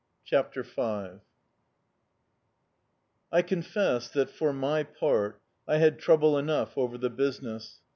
CHAPTER V "I CONFESS that, for my part, I had trouble enough over the business.